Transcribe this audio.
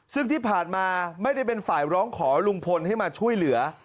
ซึ่งที่ผ่านมาไม่ได้เป็นฝ่ายร้องขอลุงพลให้มาช่วยเหลือ